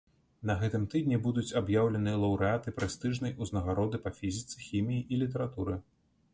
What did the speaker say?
На гэтым тыдні будуць аб'яўлены лаўрэаты прэстыжнай узнагароды па фізіцы, хіміі і літаратуры.